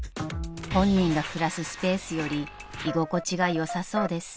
［本人が暮らすスペースより居心地が良さそうです］